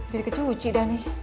jadi kecuci dah nih